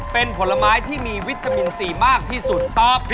เป็นผลไม้ที่มีวิตามินซีมากที่สุดตอบ